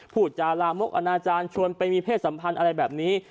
พูดจาลามกอนาจารย์ชวนไปมีเพศสัมพันธ์อะไรแบบนี้